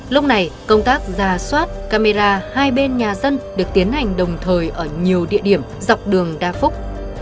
lúc này công tác ra soát camera hai bên nhà dân được tiến hành đồng thời ở nhiều địa điểm dọc đường đa phúc